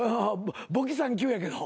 簿記３級やけど。